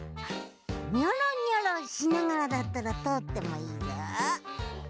ニョロニョロしながらだったらとおってもいいぞ。